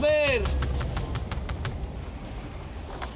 bukannya dari tadi